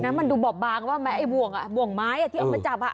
นั้นมันดูบบบางว่าแม่บ่วงไม้ที่เอามาจับ